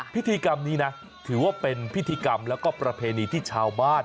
พิธีกรรมนี้นะถือว่าเป็นพิธีกรรมแล้วก็ประเพณีที่ชาวบ้าน